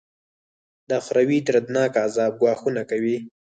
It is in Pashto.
د اخروي دردناکه عذاب ګواښونه کوي.